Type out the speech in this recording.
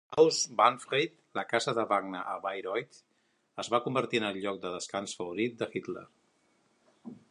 "Haus Wahnfried", la casa de Wagner a Bayreuth, es va convertir en el lloc de descans favorit de Hitler.